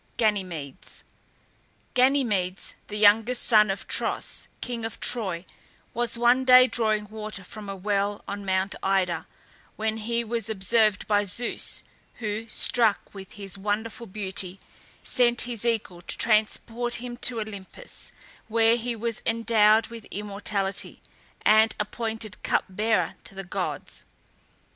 GANYMEDES. Ganymedes, the youngest son of Tros, king of Troy, was one day drawing water from a well on Mount Ida, when he was observed by Zeus, who, struck with his wonderful beauty, sent his eagle to transport him to Olympus, where he was endowed with immortality, and appointed cup bearer to the gods.